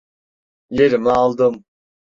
Yerimi aldım.